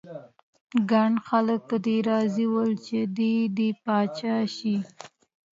ګڼ خلک په دې راضي ول چې دی دې پاچا شي.